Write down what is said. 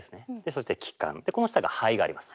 そして気管この下が肺があります。